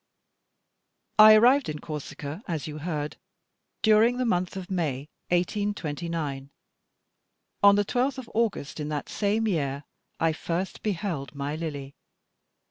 I arrived in Corsica, as you heard, during the month of May, 1829. On the 12th of August in that same year I first beheld my Lily.